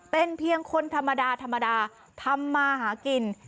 เป็นเพียงคนธรรมดาทำมาหากิน